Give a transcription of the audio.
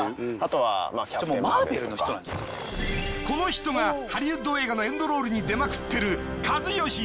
この人がハリウッド映画のエンドロールに出まくってる